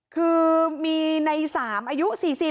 คือมีใน๓อายุ๔๐